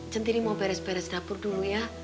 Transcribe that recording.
cinti ini mau beres beres dapur dulu ya